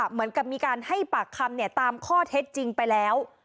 เหมือนกับมีการให้ปากคำตามข้อเท็จจริงไปแล้ว